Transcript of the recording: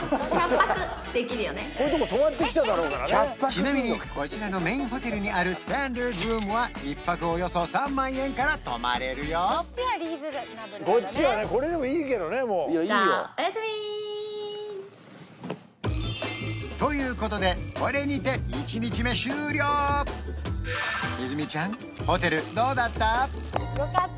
ちなみにこちらのメインホテルにあるスタンダードルームは１泊およそ３万円から泊まれるよということでこれにて泉ちゃんホテルどうだった？